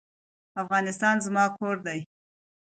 افغانستان زما کور دی.